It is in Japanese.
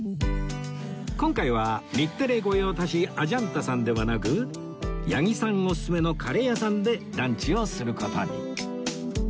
今回は日テレ御用達アジャンタさんではなく八木さんおすすめのカレー屋さんでランチをする事に